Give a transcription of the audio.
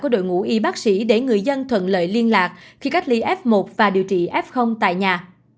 của đội ngũ y bác sĩ để người dân thuận lợi liên lạc khi cách ly f một và điều trị f tại nhà